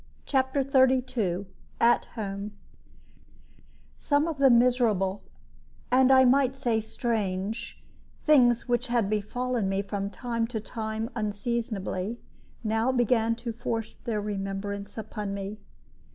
CHAPTER XXXII AT HOME Some of the miserable, and I might say strange, things which had befallen me from time to time unseasonably, now began to force their remembrance upon me.